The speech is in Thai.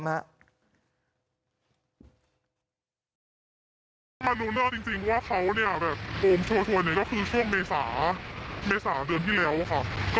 มาดูหน้าจริงว่าเขาเนี่ยแบบโอมชัวร์ชัวร์เนี่ยก็คือช่วงเมษาเมษาเดือนที่แล้วค่ะ